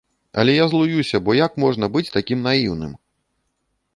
Але я злуюся, бо як можна быць такім наіўным?